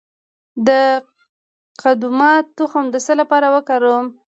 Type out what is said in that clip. د قدومه تخم د څه لپاره وکاروم؟